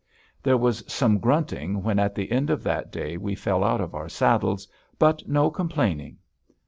There was some grunting when at the end of that day we fell out of our saddles, but no complaining.